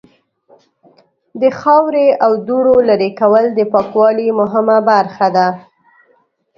د خاورې او دوړو لرې کول د پاکوالی مهمه برخه ده.